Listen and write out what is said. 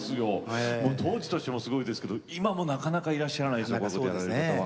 当時としてもすごいですけど今もなかなかいらっしゃらないすごいことやられる方は。